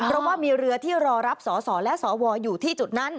เพราะว่ามีเรือที่รอรับสอสอและสวอยู่ที่จุดนั้น